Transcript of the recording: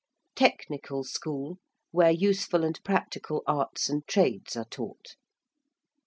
~technical school~: where useful and practical arts and trades are taught.